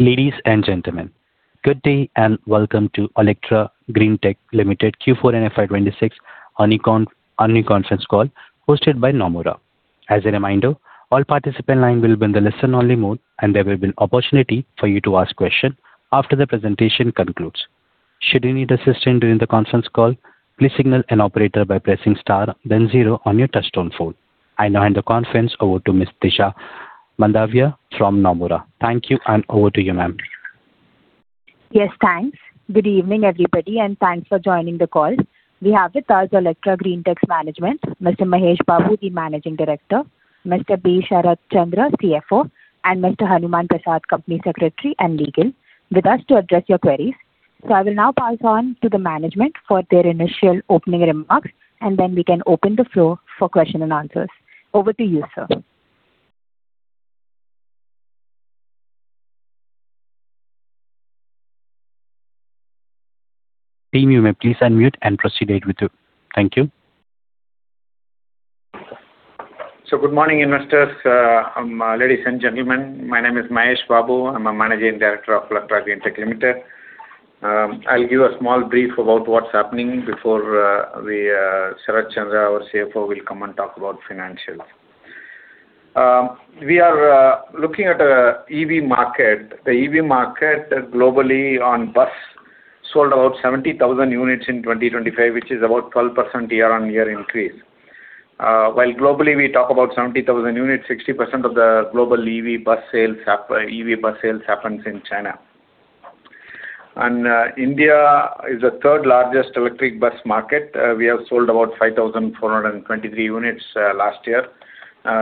Ladies and gentlemen, good day and welcome to Olectra Greentech Limited Q4 and FY 2026 earnings conference call hosted by Nomura. As a reminder, all participant line will be in the listen-only mode, and there will be opportunity for you to ask questions after the presentation concludes. Should you need assistance during the conference call, please signal an operator by pressing star then zero on your touch-tone phone. I now hand the conference over to Ms. Tisha Mandavia from Nomura. Thank you, and over to you, ma'am. Yes, thanks. Good evening, everybody, and thanks for joining the call. We have with us Olectra Greentech's management, Mr. Mahesh Babu, the Managing Director; Mr. B. Sharat Chandra, CFO; and Mr. Hanuman Prasad, Company Secretary and Legal, with us to address your queries. I will now pass on to the management for their initial opening remarks, and then we can open the floor for question-and-answers. Over to you, sir. Team, you may please unmute and proceed with you. Thank you. Good morning, investors. Ladies and gentlemen, my name is Mahesh Babu. I am a Managing Director of Olectra Greentech Limited. I will give a small brief about what is happening before Sharat Chandra, our CFO, will come and talk about financials. We are looking at the EV market. The EV market globally on bus sold about 70,000 units in 2025, which is about 12% year-on-year increase. While globally we talk about 70,000 units, 60% of the global EV bus sales happens in China. India is the third-largest electric bus market. We have sold about 5,423 units last year,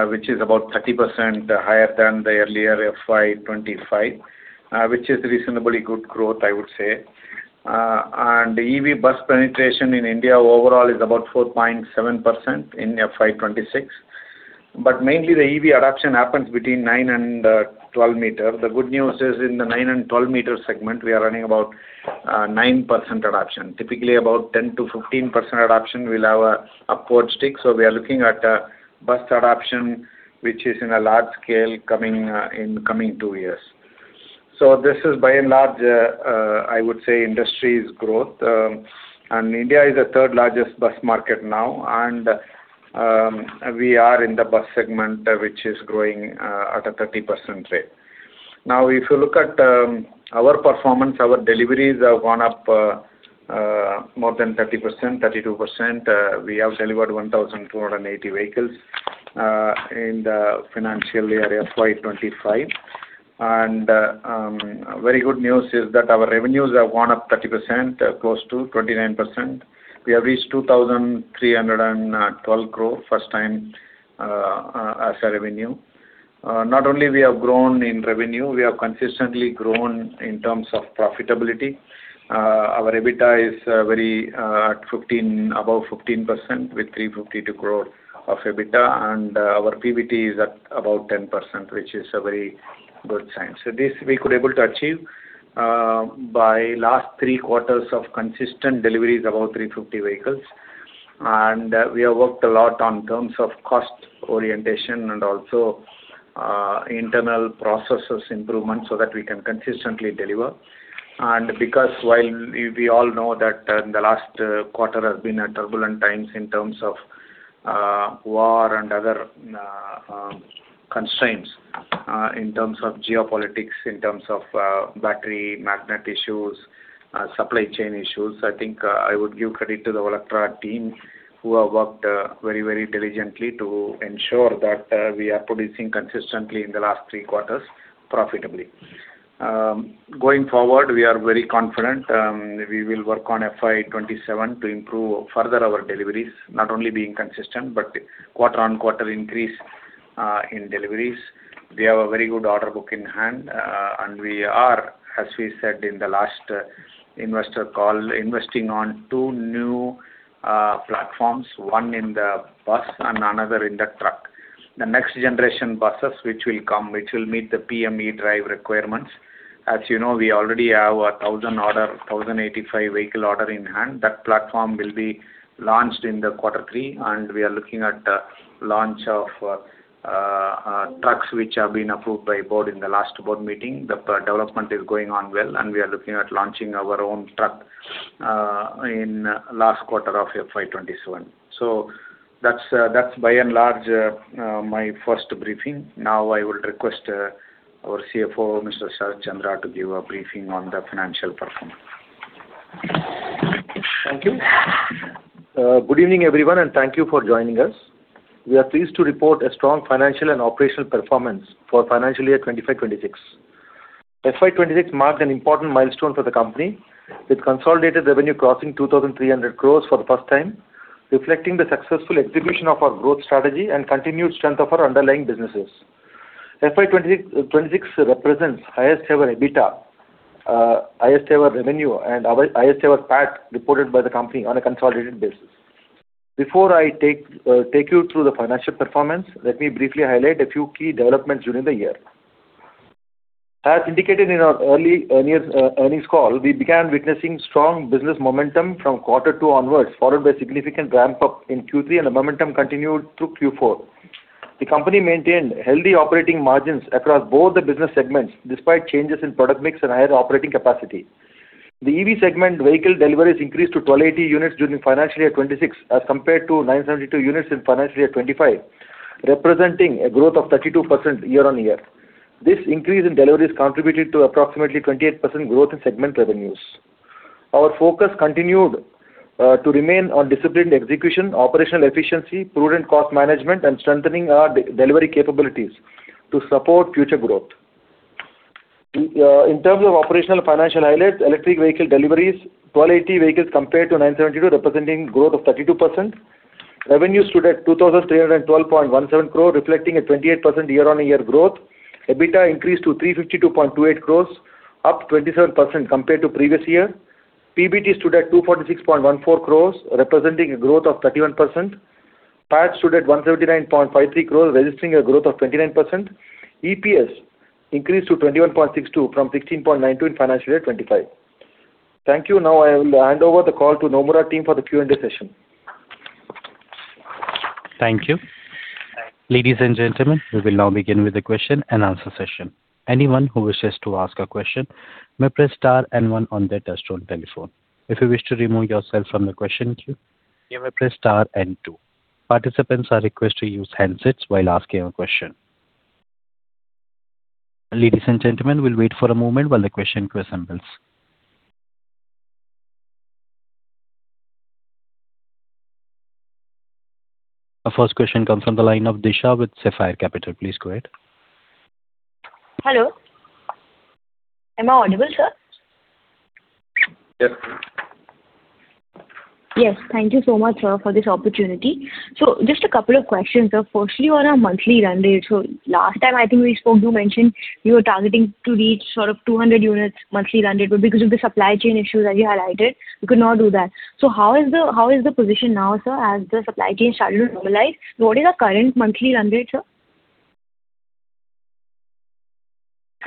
which is about 30% higher than the earlier FY 2025, which is reasonably good growth, I would say. EV bus penetration in India overall is about 4.7% in FY 2026. Mainly the EV adoption happens between 9 m and 12 m. The good news is in the 9 m and 12 m segment, we are running about 9% adoption. Typically, about 10%-15% adoption will have an upward stick. We are looking at bus adoption, which is in a large scale in coming two years. This is by and large, I would say, industry's growth. India is the third-largest bus market now. We are in the bus segment, which is growing at a 30% rate. If you look at our performance, our deliveries have gone up more than 30%, 32%. We have delivered 1,280 vehicles in the financial year FY 2025. Very good news is that our revenues have gone up 30%, close to 29%. We have reached 2,312 crore first time as a revenue. Not only we have grown in revenue, we have consistently grown in terms of profitability. Our EBITDA is above 15%, with 352 crore of EBITDA, and our PBT is at about 10%, which is a very good sign. This we could able to achieve by last three quarters of consistent deliveries, about 350 vehicles. We have worked a lot on terms of cost orientation and also internal processes improvement so that we can consistently deliver. Because while we all know that the last quarter has been a turbulent times in terms of war and other constraints in terms of geopolitics, in terms of battery, magnet issues, supply chain issues, I think I would give credit to the Olectra team, who have worked very diligently to ensure that we are producing consistently in the last three quarters profitably. Going forward, we are very confident. We will work on FY 2027 to improve further our deliveries, not only being consistent but quarter-over-quarter increase in deliveries. We have a very good order book in hand. We are, as we said in the last investor call, investing on two new platforms, one in the bus and another in the truck. The next generation buses, which will come, which will meet the PM E-Drive requirements. As you know, we already have a 1,000 order, 1,085 vehicle order in hand. That platform will be launched in the quarter three, and we are looking at launch of trucks, which have been approved by board in the last board meeting. The development is going on well, and we are looking at launching our own truck in last quarter of FY 2027. That's by and large my first briefing. I will request our CFO, Mr. Sharat Chandra, to give a briefing on the financial performance. Thank you. Good evening, everyone, and thank you for joining us. We are pleased to report a strong financial and operational performance for financial year 2025/2026. FY 2026 marked an important milestone for the company, with consolidated revenue crossing 2,300 crores for the first time, reflecting the successful execution of our growth strategy and continued strength of our underlying businesses. FY 2026 represents highest ever EBITDA, highest ever revenue, and highest ever PAT reported by the company on a consolidated basis. Before I take you through the financial performance, let me briefly highlight a few key developments during the year. As indicated in our earlier earnings call, we began witnessing strong business momentum from quarter two onwards, followed by significant ramp-up in Q3. The momentum continued through Q4. The company maintained healthy operating margins across both the business segments, despite changes in product mix and higher operating capacity. The EV segment vehicle deliveries increased to 1,280 units during FY 2026 as compared to 972 units in FY 2025, representing a growth of 32% year-on-year. This increase in deliveries contributed to approximately 28% growth in segment revenues. Our focus continued to remain on disciplined execution, operational efficiency, prudent cost management, and strengthening our delivery capabilities to support future growth. In terms of operational financial highlights, electric vehicle deliveries, 1,280 vehicles compared to 972, representing growth of 32%. Revenue stood at 2,312.17 crore, reflecting a 28% year-on-year growth. EBITDA increased to 352.28 crore, up 27% compared to previous year. PBT stood at 246.14 crore, representing a growth of 31%. PAT stood at 179.53 crore, registering a growth of 29%. EPS increased to 21.62 from 16.92 in FY 2025. Thank you. Now I will hand over the call to Nomura team for the Q&A session. Thank you. Ladies and gentlemen, we will now begin with the question-and-answer session. Anyone who wishes to ask a question may press star and one on their touch-tone telephone. If you wish to remove yourself from the question queue, you may press star and two. Participants are requested to use handsets while asking a question. Ladies and gentlemen, we'll wait for a moment while the question queue assembles. Our first question comes from the line of Disha with Sapphire Capital. Please go ahead. Hello. Am I audible, sir? Yes. Yes. Thank you so much, sir, for this opportunity. Just a couple of questions, sir. Firstly, on our monthly run-rate. Last time I think we spoke, you mentioned you were targeting to reach 200 units monthly run-rate. Because of the supply chain issues that you highlighted, you could not do that. How is the position now, sir, as the supply chain started to normalize? What is our current monthly run-rate, sir?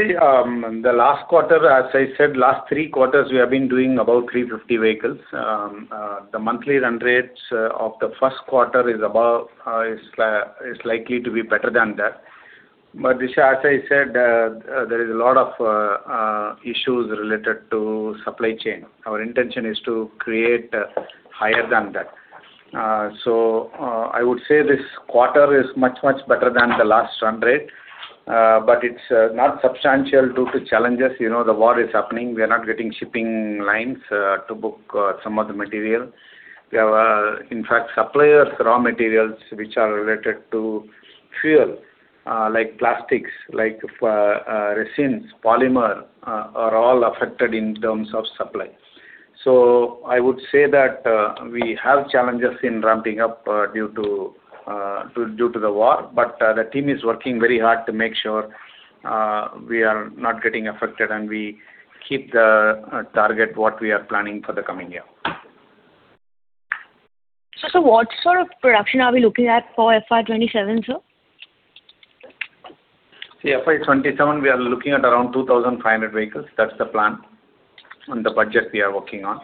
The last quarter, as I said, last three quarters, we have been doing about 350 vehicles. The monthly run-rates of the first quarter is likely to be better than that. Disha, as I said, there is a lot of issues related to supply chain. Our intention is to create higher than that. I would say this quarter is much better than the last run-rate. It's not substantial due to challenges. The war is happening. We are not getting shipping lines to book some of the material. We have, in fact, suppliers, raw materials, which are related to fuel, like plastics, like resins, polymer, are all affected in terms of supply. I would say that we have challenges in ramping up due to the war. The team is working very hard to make sure we are not getting affected and we keep the target, what we are planning for the coming year. What sort of production are we looking at for FY 2027, sir? See, FY 2027, we are looking at around 2,500 vehicles. That's the plan and the budget we are working on.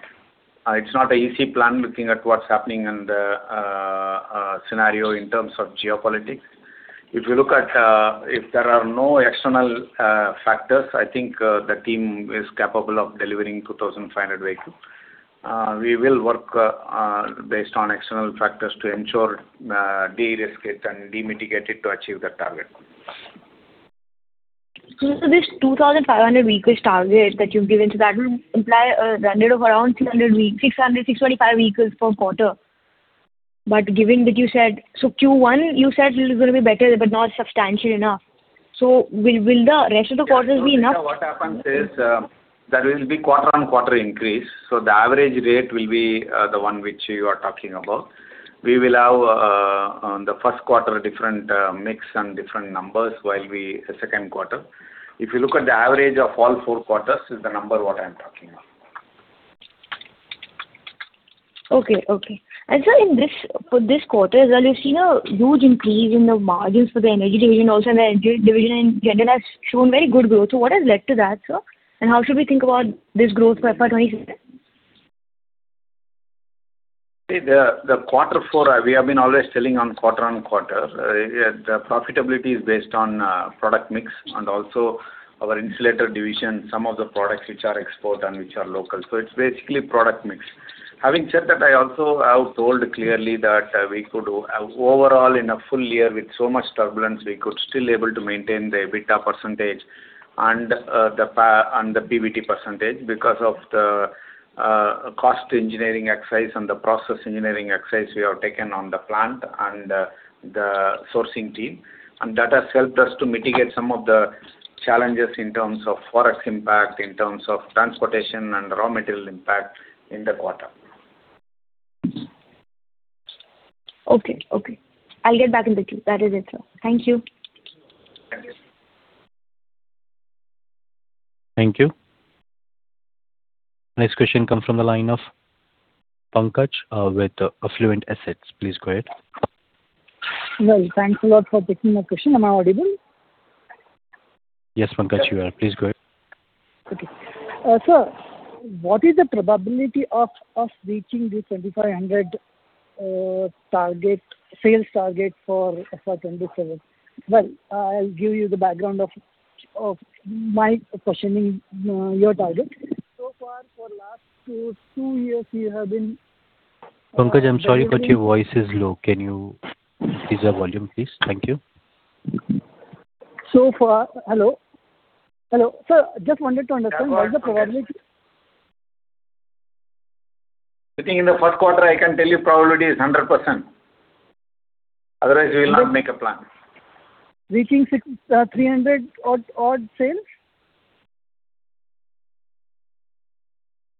It's not a easy plan looking at what's happening in the scenario in terms of geopolitics. If there are no external factors, I think the team is capable of delivering 2,500 vehicles. We will work based on external factors to ensure, de-risk it and de-mitigate it to achieve that target. This 2,500 vehicles target that you've given, so that will imply a run-rate of around 600, 625 vehicles per quarter. Q1 you said it was going to be better but not substantial enough. Will the rest of the quarters be enough? Disha, what happens is, there will be quarter-on-quarter increase. The average rate will be the one which you are talking about. We will have on the first quarter different mix and different numbers, while we second quarter. If you look at the average of all four quarters, is the number what I'm talking about. Okay. Sir, for this quarter as well, you've seen a huge increase in the margins for the energy division also, and the energy division in general has shown very good growth. What has led to that, sir? How should we think about this growth for FY 2027? The quarter four, we have been always selling on quarter-on-quarter. The profitability is based on product mix and also our insulator division, some of the products which are export and which are local. It's basically product mix. Having said that, I also have told clearly that we could overall in a full year with so much turbulence, we could still able to maintain the EBITDA percentage and the PBT percentage because of the cost engineering exercise and the process engineering exercise we have taken on the plant and the sourcing team. That has helped us to mitigate some of the challenges in terms of forex impact, in terms of transportation and raw material impact in the quarter. Okay. I'll get back in the queue. That is it, sir. Thank you. Thank you. Thank you. Next question comes from the line of Pankaj with Affluent Assets. Please go ahead. Well, thanks a lot for taking my question. Am I audible? Yes, Pankaj, you are. Please go ahead. Okay. Sir, what is the probability of us reaching the 2,500 sales target for FY 2027? Well, I'll give you the background of my questioning your target. So far for last two years, we have been. Pankaj, I'm sorry, but your voice is low. Can you increase your volume, please? Thank you. So far. Hello? Hello. Sir, just wanted to understand what is the probability. I think in the first quarter, I can tell you probability is 100%. Otherwise, we will not make a plan. Reaching 300 odd sales?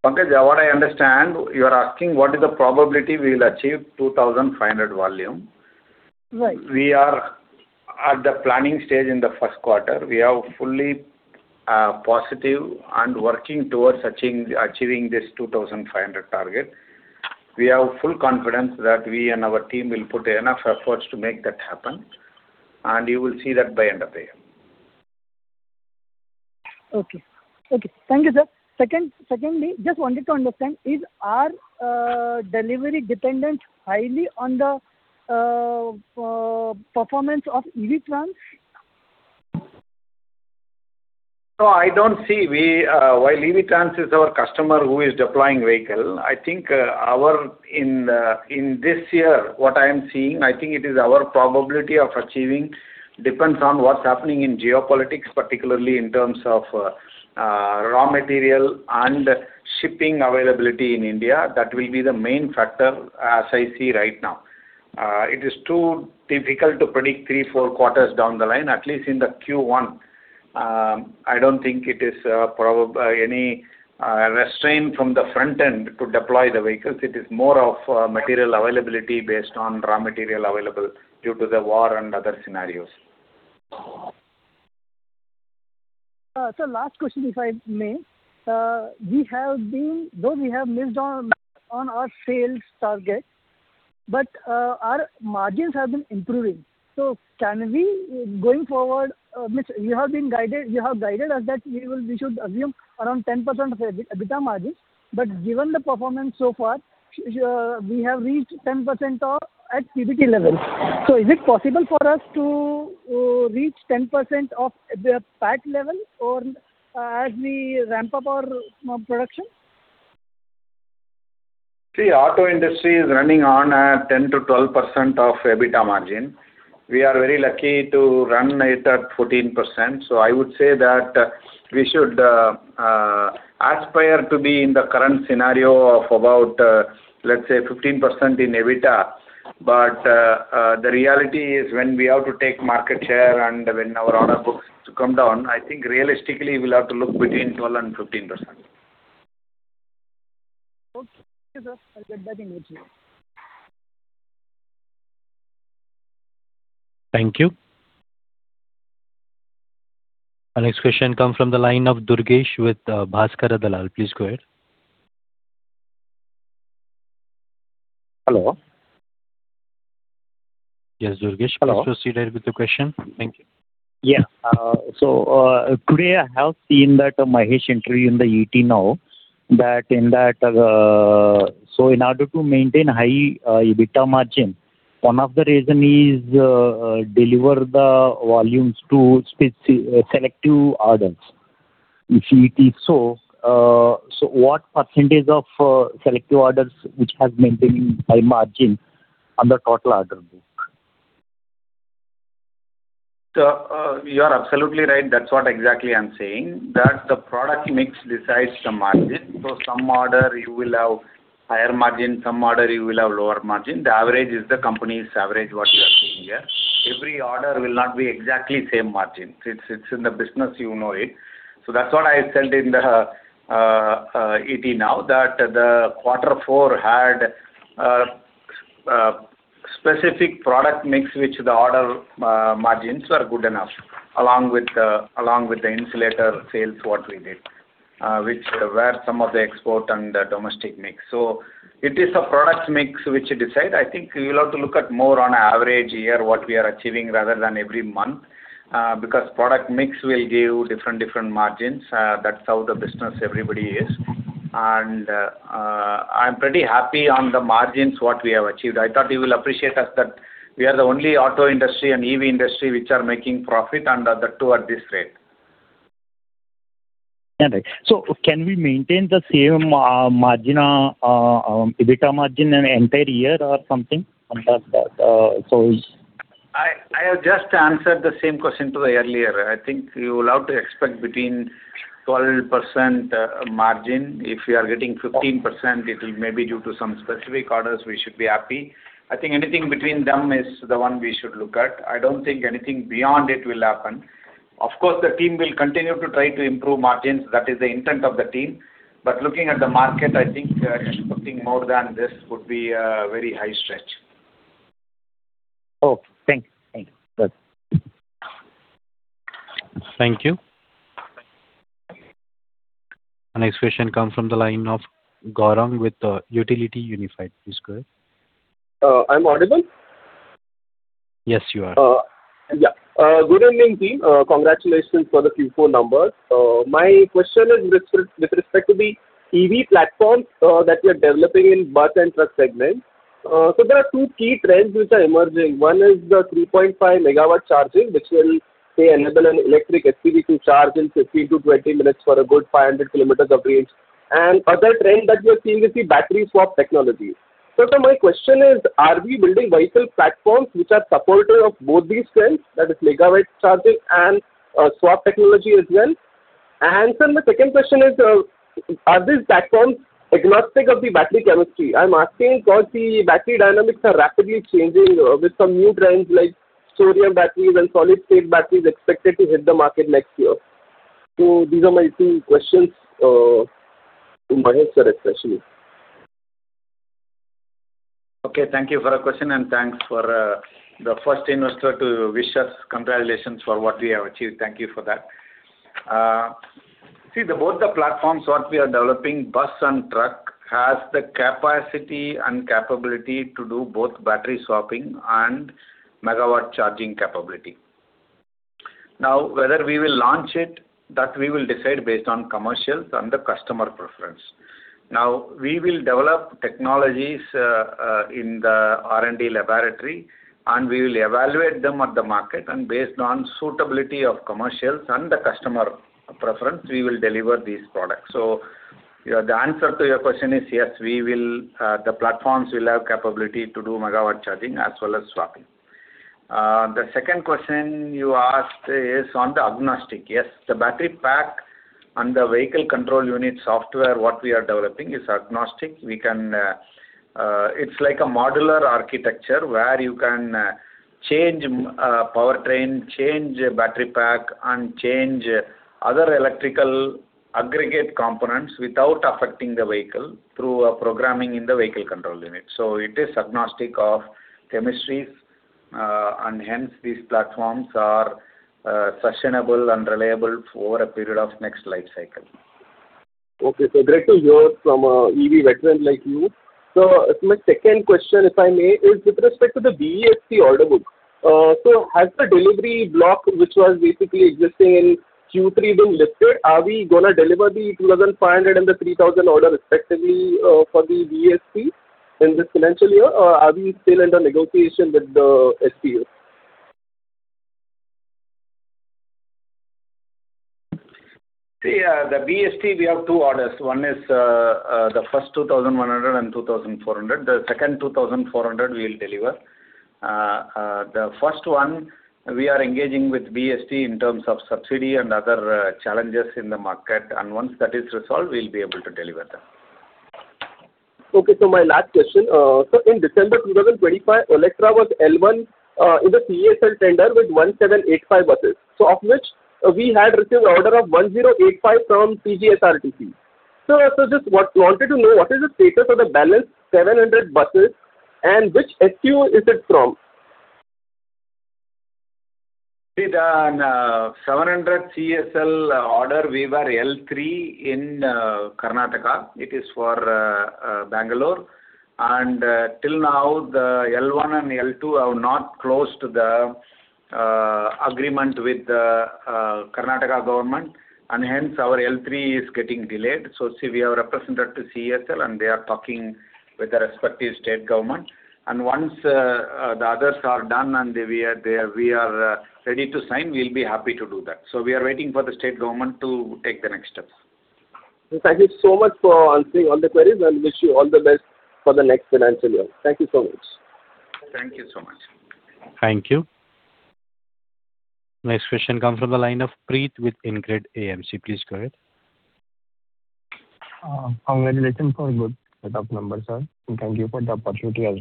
Pankaj, what I understand, you are asking what is the probability we will achieve 2,500 volume. Right. We are at the planning stage in the first quarter. We are fully positive and working towards achieving this 2,500 target. We have full confidence that we and our team will put enough efforts to make that happen, and you will see that by end of the year. Okay. Thank you, sir. Secondly, just wanted to understand, is our delivery dependent highly on the performance of EVEY Trans? No, I don't see. While EVEY Trans is our customer who is deploying vehicle, I think in this year, what I am seeing, I think it is our probability of achieving depends on what's happening in geopolitics, particularly in terms of raw material and shipping availability in India. That will be the main factor as I see right now. It is too difficult to predict three, four quarters down the line. At least in the Q1, I don't think it is any restraint from the front end to deploy the vehicles. It is more of material availability based on raw material available due to the war and other scenarios. Sir, last question, if I may. Though we have missed on our sales target, our margins have been improving. Going forward, you have guided us that we should assume around 10% of EBITDA margin, but given the performance so far, we have reached 10% at PBT level. Is it possible for us to reach 10% of the PAT level as we ramp up our production? Auto industry is running on a 10%-12% of EBITDA margin. We are very lucky to run it at 14%. I would say that we should aspire to be in the current scenario of about, let's say, 15% in EBITDA. The reality is when we have to take market share and when our order books come down, I think realistically, we'll have to look between 12% and 15%. Okay, sir. I'll get back immediately. Thank you. Our next question comes from the line of Durgesh with Bhaskar Adalal. Please go ahead. Hello. Yes, Durgesh. Hello. Please proceed ahead with the question. Thank you. Yeah. Today I have seen that Mahesh interview in the "ET Now," that in order to maintain high EBITDA margin, one of the reason is deliver the volumes to selective orders. If it is so, what percentage of selective orders which has maintained high margin on the total order book? You are absolutely right. That's what exactly I'm saying. The product mix decides the margin. Some order you will have higher margin, some order you will have lower margin. The average is the company's average, what you are seeing here. Every order will not be exactly same margin. It's in the business, you know it. That's what I said in the ET Now that the quarter four had a specific product mix, which the order margins were good enough, along with the insulator sales, what we did, which were some of the export and domestic mix. It is a product mix which decide. I think you'll have to look at more on average year, what we are achieving rather than every month, because product mix will give different margins. That's how the business everybody is. I'm pretty happy on the margins, what we have achieved. I thought you will appreciate us that we are the only auto industry and EV industry which are making profit and that too at this rate. Right. Can we maintain the same EBITDA margin an entire year or something? I have just answered the same question today earlier. I think you will have to expect between 12% margin. If we are getting 15%, it will may be due to some specific orders, we should be happy. I think anything between them is the one we should look at. I don't think anything beyond it will happen. Of course, the team will continue to try to improve margins. That is the intent of the team. Looking at the market, I think expecting more than this would be a very high stretch. Okay. Thanks. Thank you. The next question comes from the line of Gaurang with Utility Unified. Please go ahead. I'm audible? Yes, you are. Good evening, team. Congratulations for the Q4 numbers. My question is with respect to the EV platform that you're developing in bus and truck segments. There are two key trends which are emerging. One is the 3.5 MW charging, which will enable an electric SPV to charge in 15 minutes-20 minutes for a good 500 km of range. Other trend that we are seeing is the battery swap technology. Sir, my question is: are we building vehicle platforms which are supporter of both these trends, that is megawatt charging and swap technology as well? Sir, my second question is are these platforms agnostic of the battery chemistry? I'm asking because the battery dynamics are rapidly changing with some new trends like sodium-ion batteries and solid state batteries expected to hit the market next year. These are my two questions, to Mahesh sir especially. Okay. Thank you for the question and thanks for the first investor to wish us congratulations for what we have achieved. Thank you for that. Both the platforms what we are developing, bus and truck, has the capacity and capability to do both battery swapping and megawatt charging capability. Whether we will launch it, that we will decide based on commercials and the customer preference. We will develop technologies in the R&D laboratory, and we will evaluate them at the market and based on suitability of commercials and the customer preference, we will deliver these products. The answer to your question is yes, the platforms will have capability to do megawatt charging as well as swapping. The second question you asked is on the agnostic. The battery pack and the vehicle control unit software, what we are developing is agnostic. It's like a modular architecture where you can change powertrain, change battery pack, and change other electrical aggregate components without affecting the vehicle through a programming in the vehicle control unit. It is agnostic of chemistries, and hence, these platforms are sustainable and reliable for a period of next life cycle. Okay, sir. Great to hear from an EV veteran like you. My second question, if I may, is with respect to the BEST order book. Has the delivery block, which was basically existing in Q3, been lifted? Are we going to deliver the 2,500 and the 3,000 order respectively for the BEST in this financial year, or are we still under negotiation with the FPO? The BEST, we have two orders. One is the first 2,100 and 2,400. The second 2,400 we will deliver. The first one, we are engaging with BEST in terms of subsidy and other challenges in the market, and once that is resolved, we'll be able to deliver that. My last question. In December 2025, Olectra was L1 in the CESL tender with 1,785 buses, of which we had received order of 1,085 from TGSRTC. I just wanted to know, what is the status of the balance 700 buses, and which STU is it from? See, the 700 CESL order, we were L3 in Karnataka. It is for Bangalore. Till now, the L1 and L2 have not closed the agreement with the Karnataka government, and hence our L3 is getting delayed. See, we have represented to CESL, and they are talking with the respective state government. Once the others are done and we are ready to sign, we'll be happy to do that. We are waiting for the state government to take the next steps. Thank you so much for answering all the queries, and wish you all the best for the next financial year. Thank you so much. Thank you so much. Thank you. Next question comes from the line of Preet with InCred AMC. Please go ahead. Congratulations for good set of numbers, sir, and thank you for the opportunity as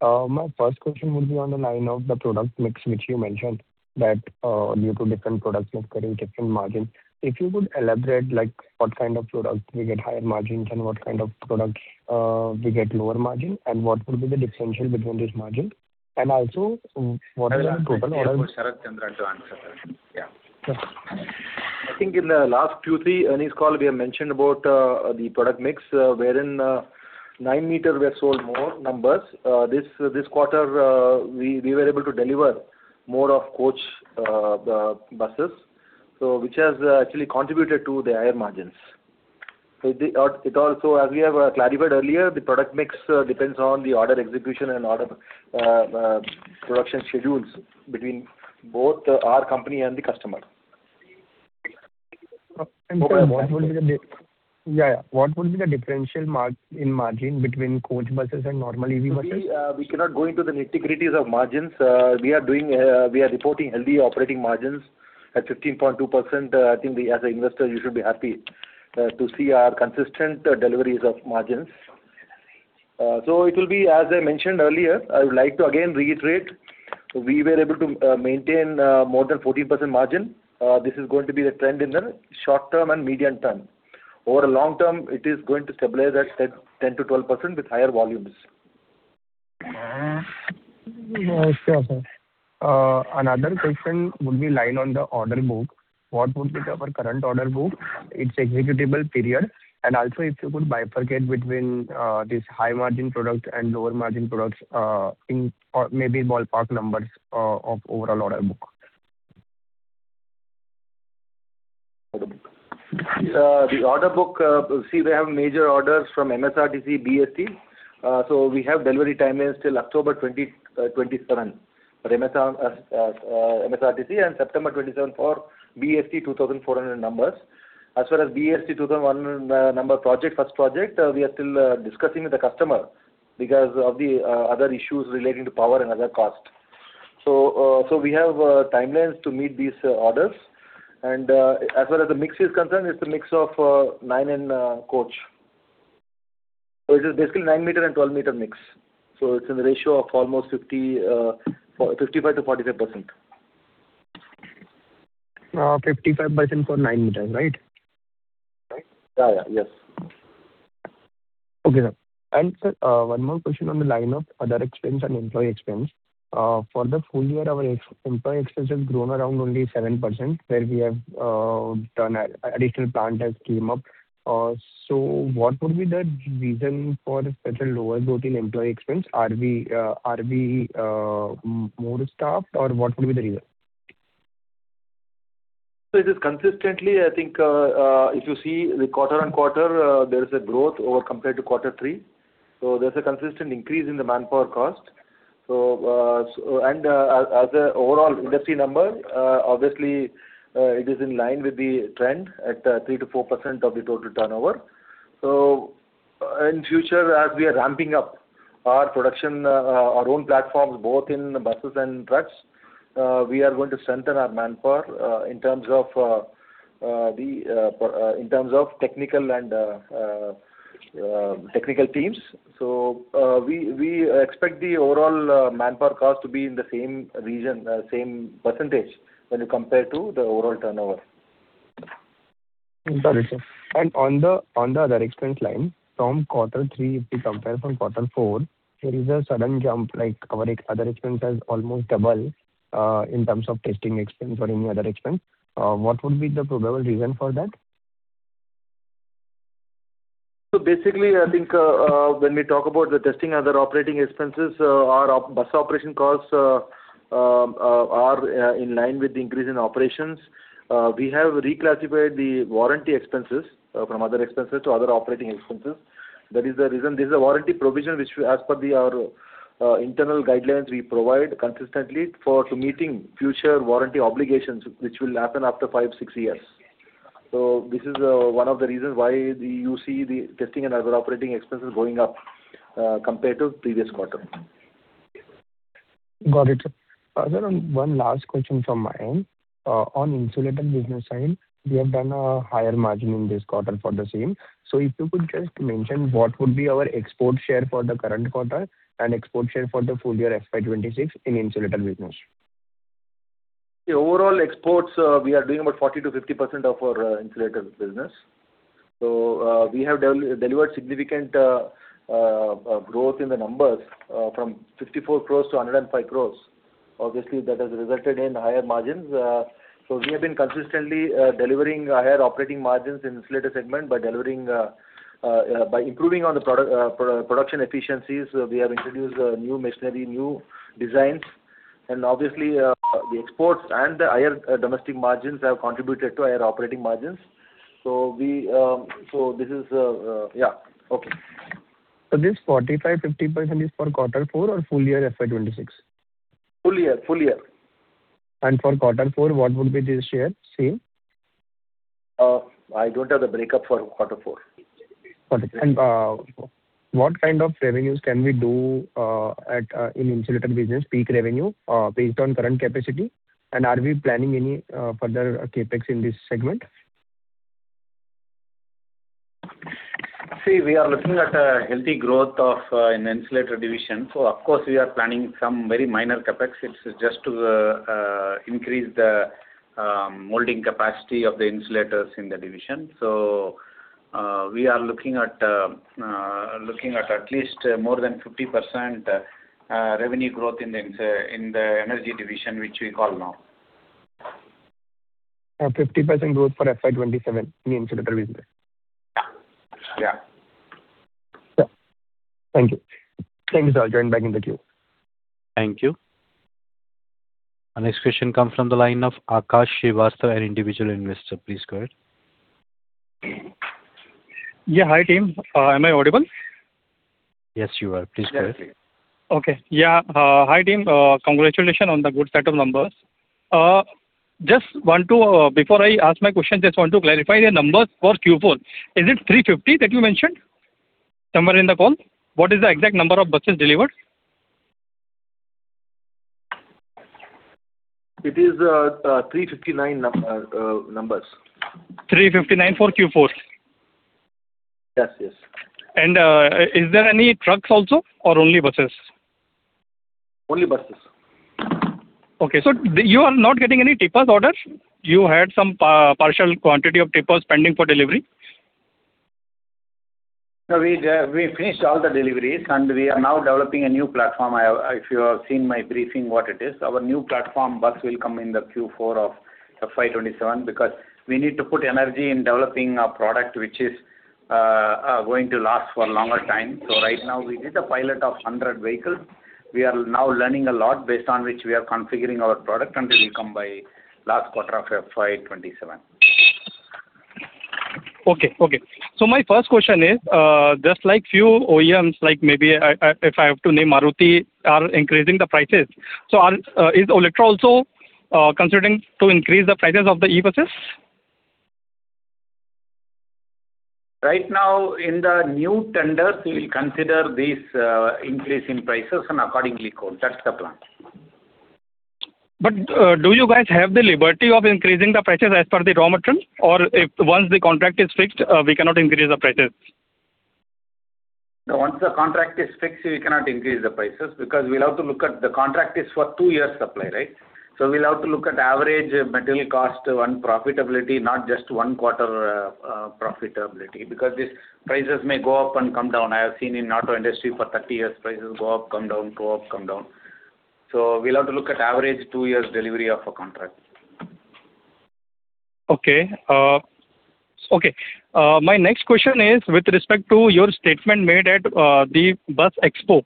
well. My first question would be on the line of the product mix, which you mentioned that due to different product mix carrying different margin. If you could elaborate, what kind of products we get higher margins and what kind of products we get lower margin, and what would be the differential between this margin? Also, what will be the total. I think for Sharat Chandra to answer that. Yeah. I think in the last two, three earnings call, we have mentioned about the product mix, wherein 9 m were sold more numbers. This quarter, we were able to deliver more of coach buses, which has actually contributed to the higher margins. As we have clarified earlier, the product mix depends on the order execution and order production schedules between both our company and the customer. Yeah. What would be the differential margin between coach buses and normal EV buses? We cannot go into the nitty-gritties of margins. We are reporting healthy operating margins at 15.2%. I think as an investor, you should be happy to see our consistent deliveries of margins. It will be, as I mentioned earlier, I would like to again reiterate, we were able to maintain more than 14% margin. This is going to be the trend in the short term and medium term. Over a long term, it is going to stabilize at 10%-12% with higher volumes. Namaste, sir. Another question would be line on the order book. What would be our current order book, its executable period, and also if you could bifurcate between these high margin products and lower margin products in maybe ballpark numbers of overall order book? The order book, see, we have major orders from MSRTC, BEST. We have delivery timelines till October 2027 for MSRTC and September 2027 for BEST, 2,400 numbers. As far as BEST 2,001 number project, first project, we are still discussing with the customer because of the other issues relating to power and other cost. We have timelines to meet these orders. As far as the mix is concerned, it's a mix of 9 in a coach. It is basically 9 m and 12 m mix. It's in the ratio of almost 55% to 45%. 55% for 9 m, right? Yeah. Yes. Okay, sir. Sir, one more question on the line of other expense and employee expense. For the full year, our employee expense has grown around only 7% where an additional plant has come up. What would be the reason for such a lower growth in employee expense? Are we more staffed, or what would be the reason? It is consistently, I think, if you see the quarter-on-quarter, there is a growth over compared to quarter three, so there's a consistent increase in the manpower cost. As an overall industry number, obviously, it is in line with the trend at 3%-4% of the total turnover. In future, as we are ramping up our production, our own platforms, both in buses and trucks, we are going to strengthen our manpower in terms of technical and technical teams. We expect the overall manpower cost to be in the same region, same percentage when you compare to the overall turnover. Got it, sir. On the other expense line, from quarter three, if we compare from quarter four, there is a sudden jump, like our other expense has almost doubled in terms of testing expense or any other expense. What would be the probable reason for that? Basically, I think, when we talk about the testing, other operating expenses, our bus operation costs are in line with the increase in operations. We have reclassified the warranty expenses from other expenses to other operating expenses. That is the reason. This is a warranty provision which as per our internal guidelines, we provide consistently for to meeting future warranty obligations, which will happen after five, six years. This is one of the reasons why you see the testing and other operating expenses going up compared to previous quarter. Got it, sir. Sir, one last question from my end. On insulator business line, we have done a higher margin in this quarter for the same. If you could just mention what would be our export share for the current quarter and export share for the full year FY 2026 in insulator business. The overall exports, we are doing about 40%-50% of our insulator business. We have delivered significant growth in the numbers from 54 crore to 105 crore. Obviously, that has resulted in higher margins. We have been consistently delivering higher operating margins in insulator segment by improving on the production efficiencies. We have introduced new machinery, new designs, and obviously, the exports and the higher domestic margins have contributed to higher operating margins. Yeah. Okay. This 45%, 50% is for quarter four or full year FY 2026? Full year. For quarter four, what would be the share? Same? I don't have the breakup for quarter four. What kind of revenues can we do in insulator business, peak revenue, based on current capacity, and are we planning any further CapEx in this segment? We are looking at a healthy growth in the insulator division. Of course, we are planning some very minor CapEx. It's just to increase the molding capacity of the insulators in the division. We are looking at at least more than 50% revenue growth in the energy division, which we call now. A 50% growth for FY 2027 in insulator business. Yeah. Yeah. Thank you. Thanks. I'll join back in the queue. Thank you. Our next question comes from the line of Akash Srivastava, an individual investor. Please go ahead. Yeah. Hi, team. Am I audible? Yes, you are. Please go ahead. Okay. Yeah. Hi, team. Congratulations on the good set of numbers. Before I ask my question, just want to clarify the numbers for Q4. Is it 350 that you mentioned somewhere in the call? What is the exact number of buses delivered? It is 359 numbers. 359 for Q4? Yes. Is there any trucks also or only buses? Only buses. Okay. You are not getting any tipping orders? You had some partial quantity of tippers pending for delivery. No, we finished all the deliveries, and we are now developing a new platform. If you have seen my briefing, what it is, our new platform bus will come in the Q4 of FY 2027 because we need to put energy in developing a product which is going to last for a longer time. Right now we did a pilot of 100 vehicles. We are now learning a lot based on which we are configuring our product, and it will come by last quarter of FY 2027. Okay. My first question is, just like few OEMs, like maybe if I have to name Maruti, are increasing the prices. Is Olectra also considering to increase the prices of the e-buses? Right now in the new tenders, we will consider this increase in prices and accordingly quote. That's the plan. Do you guys have the liberty of increasing the prices as per the raw material? If once the contract is fixed, we cannot increase the prices? Once the contract is fixed, we cannot increase the prices because the contract is for two years supply, right? We'll have to look at average material cost and profitability, not just one-quarter profitability, because these prices may go up and come down. I have seen in auto industry for 30 years, prices go up, come down, go up, come down. We'll have to look at average two years delivery of a contract. Okay. My next question is with respect to your statement made at the Bus Expo.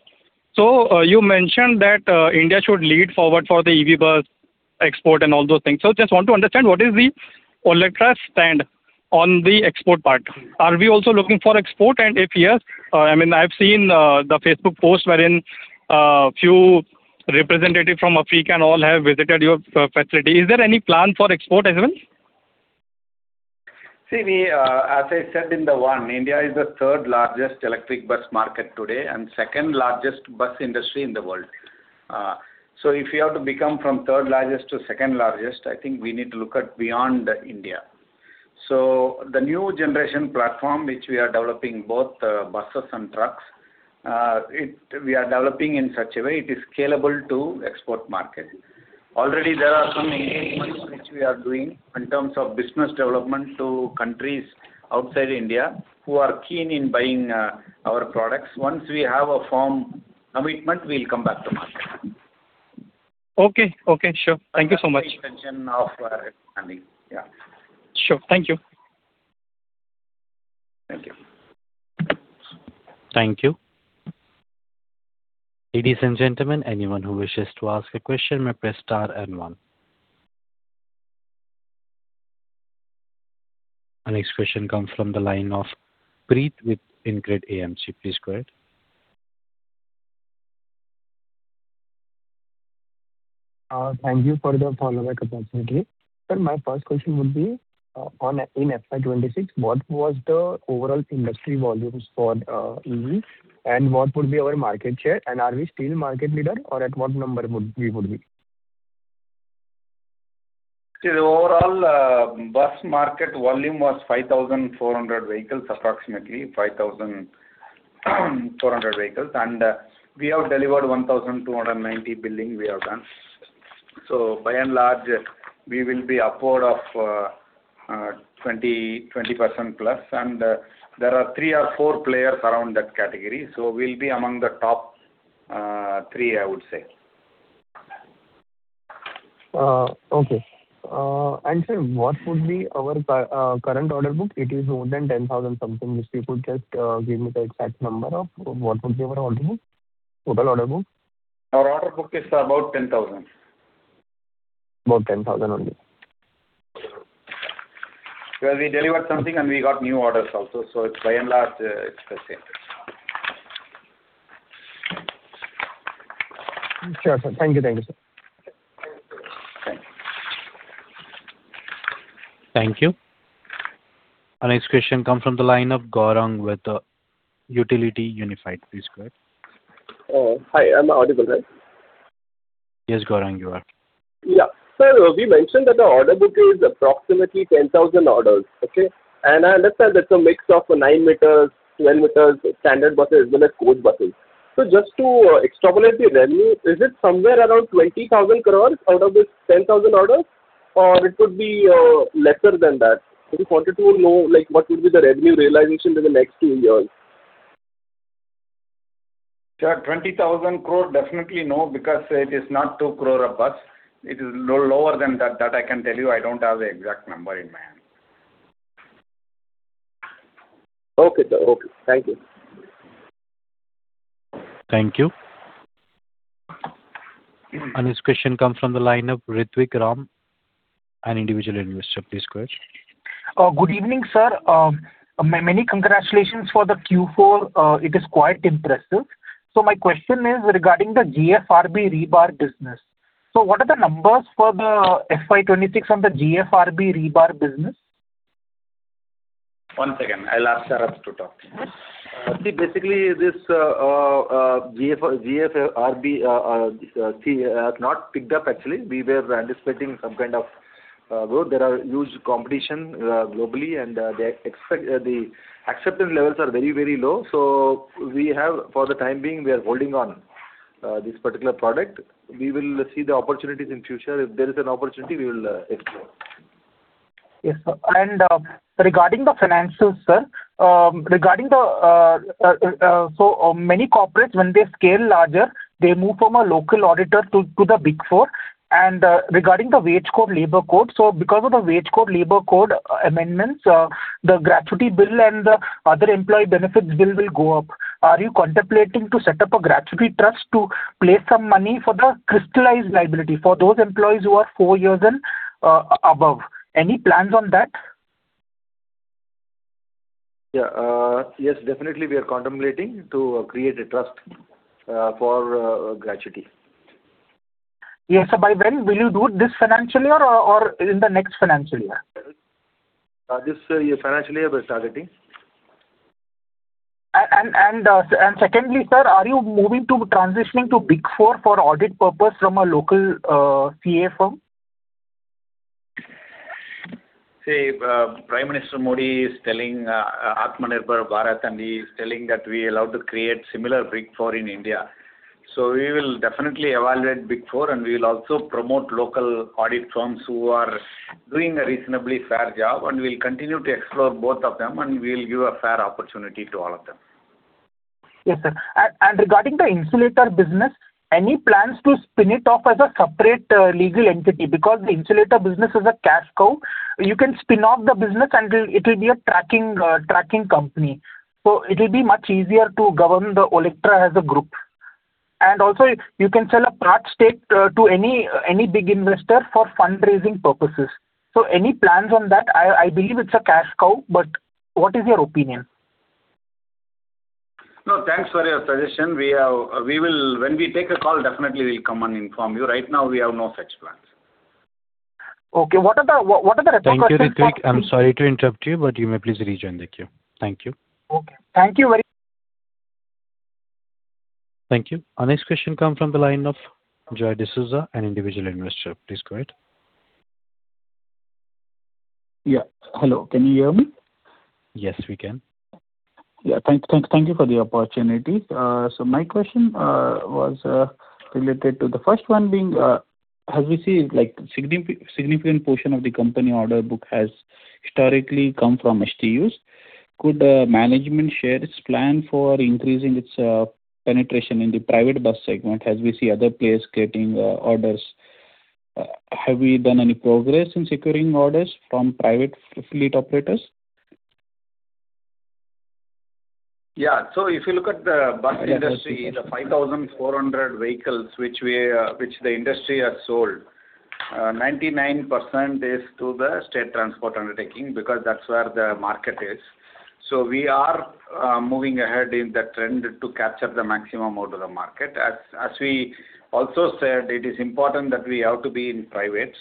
You mentioned that India should lead forward for the EV bus export and all those things. Just want to understand, what is the Olectra stand on the export part. Are we also looking for export? If yes, I've seen the Facebook post wherein few representative from Africa and all have visited your facility. Is there any plan for export as well? As I said in the one, India is the third-largest electric bus market today and second-largest bus industry in the world. If we have to become from third-largest to second-largest, I think we need to look at beyond India. The new generation platform, which we are developing both buses and trucks, we are developing in such a way it is scalable to export market. Already there are some engagements which we are doing in terms of business development to countries outside India who are keen in buying our products. Once we have a firm commitment, we'll come back to market. Okay, sure. Thank you so much. attention of our company. Yeah. Sure. Thank you. Thank you. Thank you. Ladies and gentlemen, anyone who wishes to ask a question may press star and one. Our next question comes from the line of Preet with InCred AMC. Please go ahead. Thank you for the follow back opportunity. Sir, my first question would be in FY 2026, what was the overall industry volumes for EVs and what would be our market share? Are we still market leader or at what number we would be? See, the overall bus market volume was 5,400 vehicles approximately, 5,400 vehicles. We have delivered 1,290 billing we have done. By and large, we will be upward of 20%+, and there are three or four players around that category. We'll be among the top three, I would say. Okay. sir, what would be our current order book? It is more than 10,000 something. If you could just give me the exact number of what would be our order book, total order book. Our order book is about 10,000. About 10,000 only. Well, we delivered something and we got new orders also. By large, it's the same. Sure, sir. Thank you, sir. Thank you. Thank you. Our next question comes from the line of Gaurang with Utility Unified. Please go ahead. Hi, am I audible, right? Yes, Gaurang, you are. Yeah. Sir, we mentioned that the order book is approximately 10,000 orders. Okay. Let's say that's a mix of nine meters, 10 m, standard buses as well as coach buses. Just to extrapolate the revenue, is it somewhere around 20,000 crore out of this 10,000 orders or it would be lesser than that? We wanted to know what would be the revenue realization in the next two years. Sir, 20,000 crore definitely no, because it is not 2 crore a bus. It is lower than that. That I can tell you. I don't have the exact number in hand. Okay, sir. Thank you. Thank you. Our next question comes from the line of Ritwik Ram, an individual investor. Please go ahead. Good evening, sir. Many congratulations for the Q4. It is quite impressive. My question is regarding the GFRP rebar business. What are the numbers for the FY 2026 on the GFRP rebar business? One second. I will ask Sharat to talk to you. See, basically this GFRP has not picked up actually. We were anticipating some kind of growth. There are huge competition globally, and the acceptance levels are very low. For the time being, we are holding on. This particular product. We will see the opportunities in future. If there is an opportunity, we will explore. Yes, sir. Regarding the financials, sir. Many corporates, when they scale larger, they move from a local auditor to the Big Four. Regarding the Wage Code, Labour Codes, because of the Wage Code, Labour Codes amendments, the gratuity bill and the other employee benefits bill will go up. Are you contemplating to set up a gratuity trust to place some money for the crystallized liability for those employees who are four years and above? Any plans on that? Yes, definitely we are contemplating to create a trust for gratuity. Yes. By when will you do it, this financial year or in the next financial year? This financial year we're targeting. Secondly, sir, are you moving to transitioning to Big Four for audit purpose from a local CA firm? See, Prime Minister Modi is telling Atmanirbhar Bharat, and he is telling that we are allowed to create similar Big Four in India. We will definitely evaluate Big Four, and we will also promote local audit firms who are doing a reasonably fair job, and we'll continue to explore both of them, and we'll give a fair opportunity to all of them. Yes, sir. Regarding the insulator business, any plans to spin it off as a separate legal entity? The insulator business is a cash cow. You can spin off the business, and it will be a tracking company. It will be much easier to govern the Olectra as a group. Also, you can sell a part stake to any big investor for fundraising purposes. Any plans on that? I believe it's a cash cow, but what is your opinion? No, thanks for your suggestion. When we take a call, definitely we'll come and inform you. Right now, we have no such plans. Okay. Thank you, Ritwik. I'm sorry to interrupt you, but you may please rejoin the queue. Thank you. Okay. Thank you very- Thank you. Our next question come from the line of Joy D'Souza, an individual investor. Please go ahead. Yes. Hello, can you hear me? Yes, we can. Yes. Thank you for the opportunity. My question was related to the first one being, as we see, significant portion of the company order book has historically come from STUs. Could management share its plan for increasing its penetration in the private bus segment as we see other players getting orders? Have we done any progress in securing orders from private fleet operators? Yes. If you look at the bus industry, the 5,400 vehicles which the industry has sold, 99% is to the state transport undertaking because that's where the market is. We are moving ahead in that trend to capture the maximum out of the market. As we also said, it is important that we have to be in private.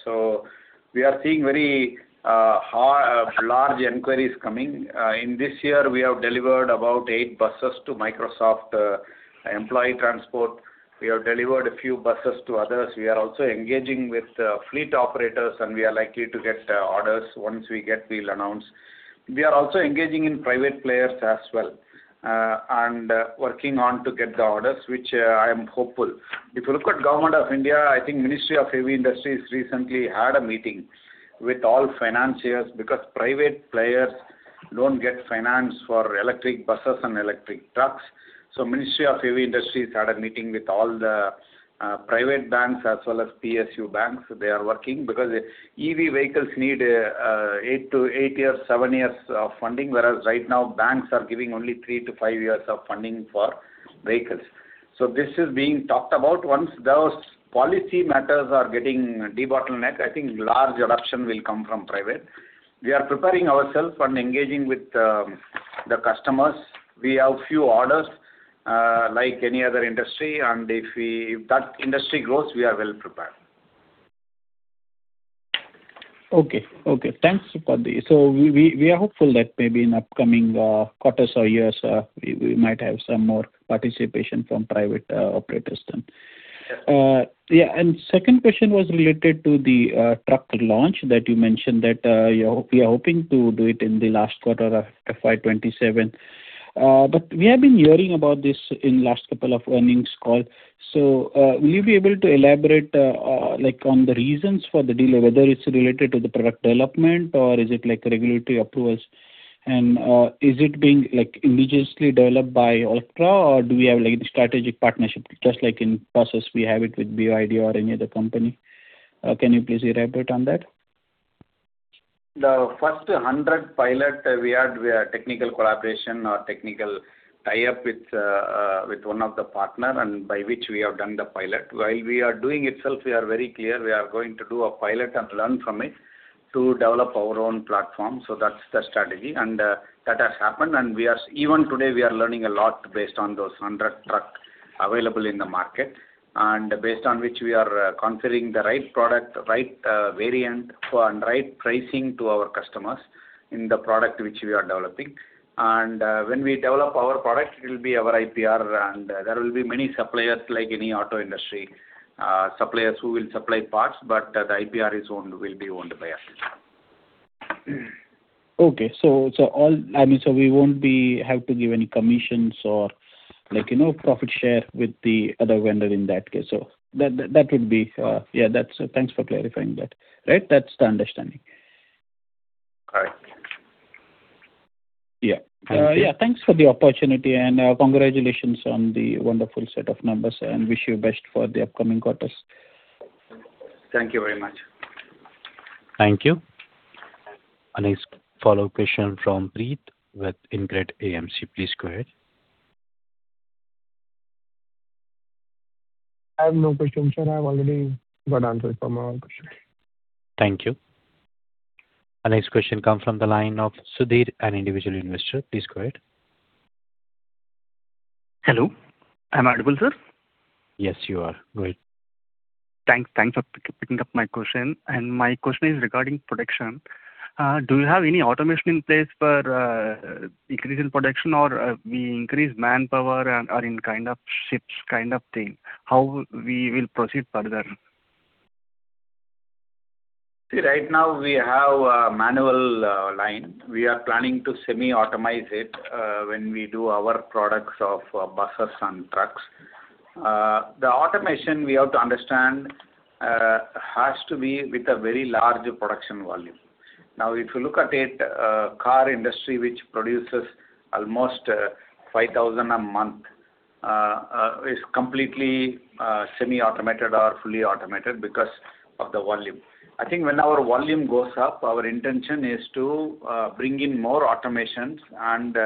We are seeing very large inquiries coming. In this year, we have delivered about eight buses to Microsoft employee transport. We have delivered a few buses to others. We are also engaging with fleet operators, and we are likely to get orders. Once we get, we'll announce. We are also engaging in private players as well, and working on to get the orders, which I am hopeful. If you look at Government of India, I think Ministry of Heavy Industries recently had a meeting with all financiers because private players don't get finance for electric buses and electric trucks. Ministry of Heavy Industries had a meeting with all the private banks as well as PSU banks. They are working because EV vehicles need eight years, seven years of funding, whereas right now banks are giving only three to five years of funding for vehicles. This is being talked about. Once those policy matters are getting debottlenecked, I think large adoption will come from private. We are preparing ourselves and engaging with the customers. We have few orders, like any other industry, and if that industry grows, we are well prepared. Okay. Thanks for this. We are hopeful that maybe in upcoming quarters or years, we might have some more participation from private operators then. Yes. Second question was related to the truck launch that you mentioned that you are hoping to do it in the last quarter of FY 2027. We have been hearing about this in last couple of earnings call. Will you be able to elaborate on the reasons for the delay, whether it's related to the product development or is it regulatory approvals? Is it being indigenously developed by Olectra or do we have strategic partnership, just like in buses we have it with BYD or any other company? Can you please elaborate on that? The first 100 pilot, we had technical collaboration or technical tie-up with one of the partner, by which we have done the pilot. While we are doing itself, we are very clear we are going to do a pilot and learn from it to develop our own platform. That's the strategy. That has happened, and even today we are learning a lot based on those 100 truck available in the market, and based on which we are considering the right product, right variant, and right pricing to our customers in the product which we are developing. When we develop our product, it will be our IPR, and there will be many suppliers like any auto industry suppliers who will supply parts, but the IPR will be owned by us. Okay. We won't have to give any commissions or profit share with the other vendor in that case. Thanks for clarifying that. Right, that's the understanding. Right. Yeah. Thanks for the opportunity and congratulations on the wonderful set of numbers, and wish you the best for the upcoming quarters. Thank you very much. Thank you. Our next follow-up question from Preet with InCred AMC. Please go ahead. I have no question, sir. I've already got answers for my questions. Thank you. Our next question comes from the line of Sudhir, an individual investor. Please go ahead. Hello. Am I audible, sir? Yes, you are. Go ahead. Thanks for picking up my question. My question is regarding production. Do you have any automation in place for increasing production or we increase manpower or in shifts kind of thing? How we will proceed further? Right now we have a manual line. We are planning to semi-automate it when we do our products of buses and trucks. The automation, we have to understand, has to be with a very large production volume. If you look at it, car industry, which produces almost 5,000 a month, is completely semi-automated or fully automated because of the volume. I think when our volume goes up, our intention is to bring in more automation and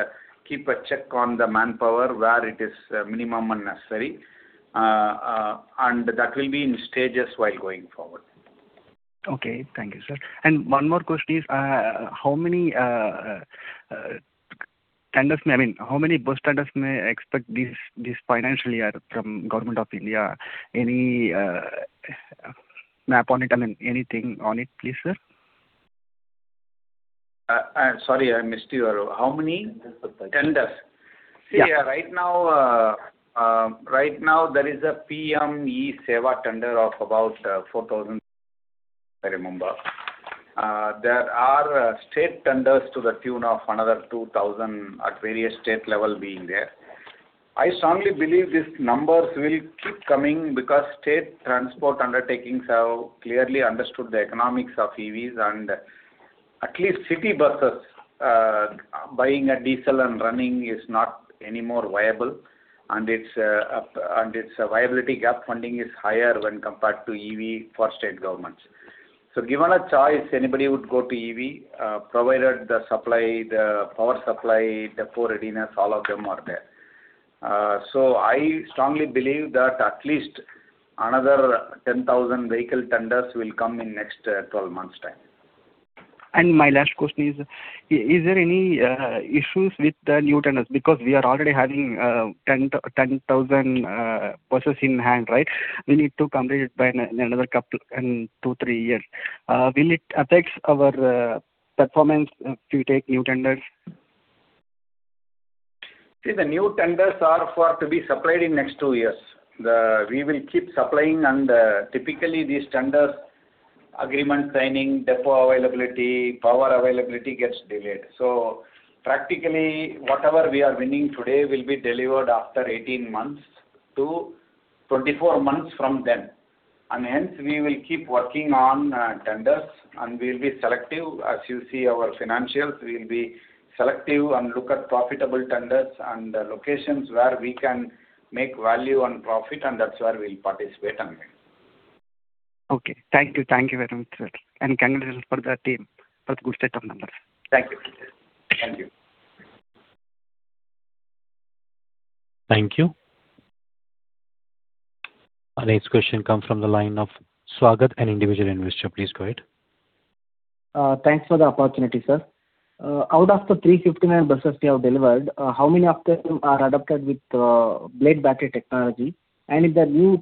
keep a check on the manpower where it is minimum and necessary, and that will be in stages while going forward. Okay. Thank you, sir. One more question is, how many bus tenders may expect this financial year from Government of India? Any map on it? I mean anything on it, please, sir? Sorry, I missed you. How many tenders? Yeah. Right now there is a PM-e Sewa tender of about 4,000, if I remember. There are state tenders to the tune of another 2,000 at various state level being there. I strongly believe these numbers will keep coming because State Transport Undertakings have clearly understood the economics of EVs and at least city buses. Buying a diesel and running is not any more viable, and its viability gap funding is higher when compared to EV for state governments. Given a choice, anybody would go to EV, provided the power supply, depot readiness, all of them are there. I strongly believe that at least another 10,000 vehicle tenders will come in next 12 months time. My last question is there any issues with the new tenders? We are already having 10,000 buses in hand, right? We need to complete it by another two, three years. Will it affect our performance if we take new tenders? The new tenders are to be supplied in the next two years. We will keep supplying and typically these tenders, agreement signing, depot availability, power availability gets delayed. Practically, whatever we are winning today will be delivered after 18 months to 24 months from then. Hence we will keep working on tenders and we'll be selective. As you see our financials, we'll be selective and look at profitable tenders and locations where we can make value and profit, and that's where we'll participate and win. Okay. Thank you. Thank you very much, sir, and congratulations for the team for the good set of numbers. Thank you. Thank you. Our next question comes from the line of Swagat, an individual investor. Please go ahead. Thanks for the opportunity, sir. Out of the 359 buses we have delivered, how many of them are adopted with Blade Battery technology? In the new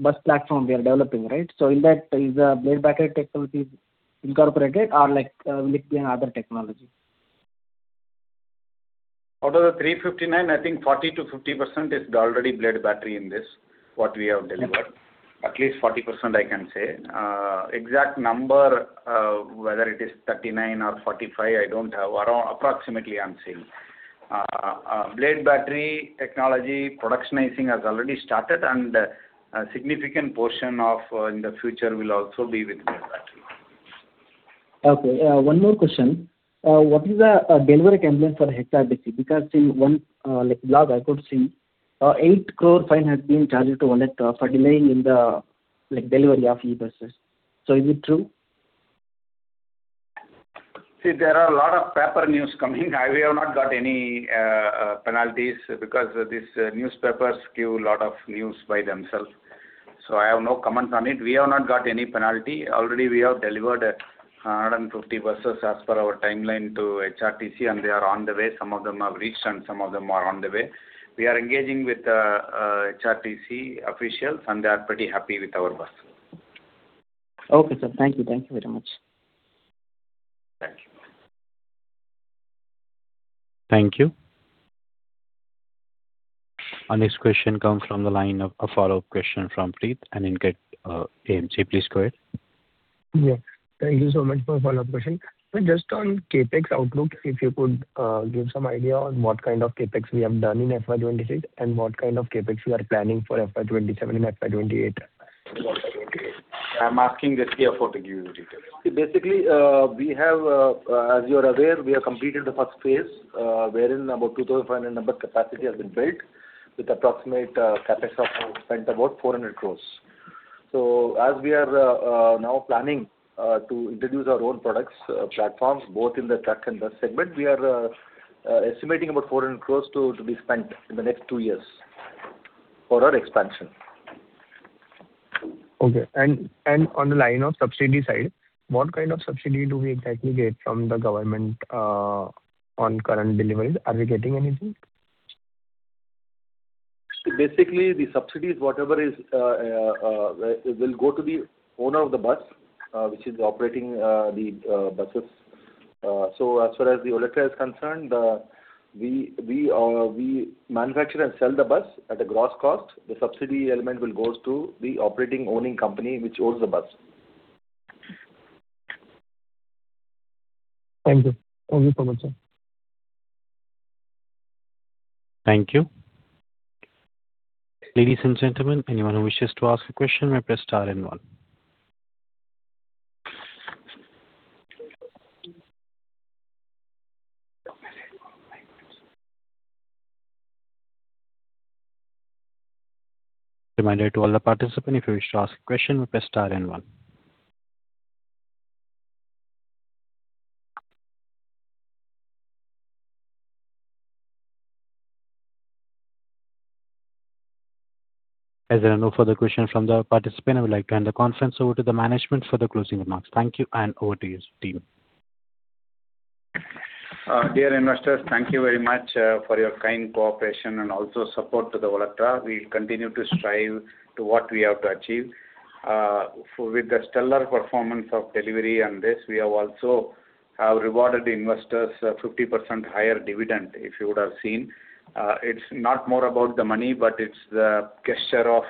bus platform we are developing, right? In that, is the Blade Battery technology incorporated or will it be another technology? Out of the 359, I think 40%-50% is already Blade Battery in this, what we have delivered. At least 40%, I can say. Exact number, whether it is 39% or 45%, I don't have. Approximately, I'm saying. Blade Battery technology productionizing has already started, and a significant portion in the future will also be with Blade Battery. Okay. One more question. What is the delivery timeline for HRTC? Because in one blog I could see 80 million fine has been charged to Olectra for delaying in the delivery of e-buses. Is it true? See, there are a lot of paper news coming. We have not got any penalties because these newspapers give lot of news by themselves. I have no comments on it. We have not got any penalty. Already we have delivered 150 buses as per our timeline to HRTC, and they are on the way. Some of them have reached and some of them are on the way. We are engaging with HRTC officials, and they are pretty happy with our buses. Okay, sir. Thank you. Thank you very much. Thank you. Thank you. Our next question comes from the line, a follow-up question from Preet, Analyst at AMC. Please go ahead. Yeah. Thank you so much for the follow-up question. Just on CapEx outlook, if you could give some idea on what kind of CapEx we have done in FY 2026 and what kind of CapEx you are planning for FY 2027 and FY 2028. I'm asking the CFO to give you details. Basically, as you're aware, we have completed the first phase, wherein about 2,500 number capacity has been built with approximate CapEx of about 400 crores. As we are now planning to introduce our own products platforms both in the truck and bus segment, we are estimating about 400 crores to be spent in the next two years for our expansion. Okay. On the line of subsidy side, what kind of subsidy do we exactly get from the government on current deliveries? Are we getting anything? The subsidies, whatever is there, will go to the owner of the bus, which is operating the buses. As far as Olectra is concerned, we manufacture and sell the bus at a gross cost. The subsidy element will go to the operating owning company which owns the bus. Thank you. Thank you so much, sir. Thank you. Ladies and gentlemen, anyone who wishes to ask a question may press star and one. Reminder to all the participants, if you wish to ask a question, press star and one. As there are no further questions from the participants, I would like to hand the conference over to the management for the closing remarks. Thank you, and over to you, team. Dear investors, thank you very much for your kind cooperation and also support to Olectra. We'll continue to strive to what we have to achieve. With the stellar performance of delivery on this, we have also rewarded investors 50% higher dividend, if you would have seen. It's not more about the money, it's the gesture of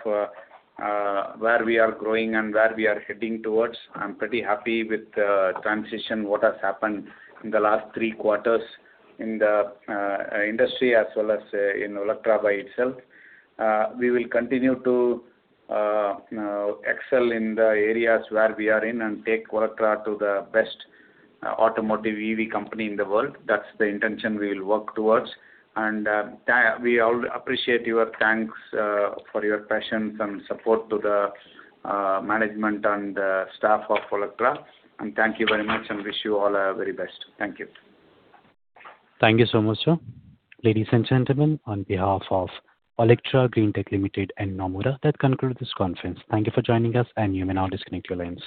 where we are growing and where we are heading towards. I'm pretty happy with the transition, what has happened in the last three quarters in the industry as well as in Olectra by itself. We will continue to excel in the areas where we are in and take Olectra to the best automotive EV company in the world. That's the intention we'll work towards. We appreciate your thanks for your patience and support to the management and staff of Olectra. Thank you very much, and wish you all the very best. Thank you. Thank you so much, sir. Ladies and gentlemen, on behalf of Olectra Greentech Limited and Nomura, that concludes this conference. Thank you for joining us, and you may now disconnect your lines.